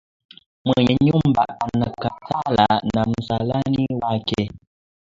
Mwenye nyumba anakatala na msalani wake